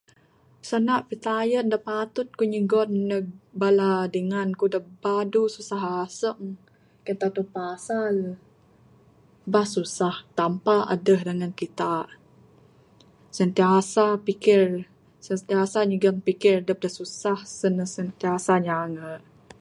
Sanda pitayun da patut aku nyugon nug bala dingan ku da biadu susah asung kaii tantu pasal, aba susah tampa adeh dangan kita, sentiasa pikir, sentiasa nyigan pikir dep da susah Sen ne sentiasa nyangan.